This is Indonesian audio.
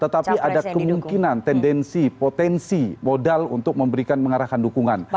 tetapi ada kemungkinan tendensi potensi modal untuk memberikan mengarahkan dukungan